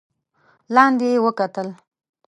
لاندې يې وکتل.